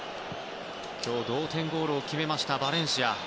今日、同点ゴールを決めたバレンシア。